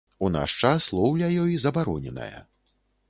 У наш час лоўля ёй забароненая.